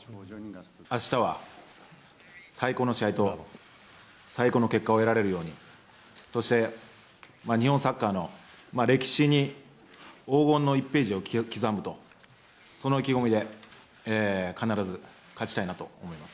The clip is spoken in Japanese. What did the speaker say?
あしたは最高の試合と、最高の結果を得られるように、そして、日本サッカーの歴史に、黄金の１ページを刻むと、その意気込みで必ず勝ちたいなと思います。